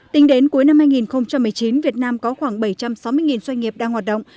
tính đến cuối năm hai nghìn một mươi chín việt nam có khoảng bảy trăm sáu mươi doanh nghiệp đang hoạt động